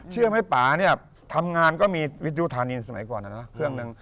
เชื่อไหมป่าเนี่ยทำงานก็มีวิทยุธานีสมัยก่อนนะนะเครื่องหนึ่ง